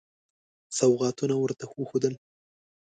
سوغاتونه ورته وښودل.